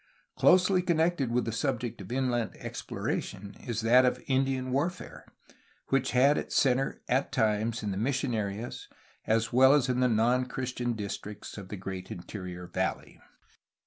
Closely con nected with the subject of inland exploration is that of Indian warfare, which had its centre at times in the mission area as well as in the non Christian districts of the great in terior valley.